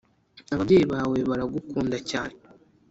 ababyeyi bawe baragukund cyane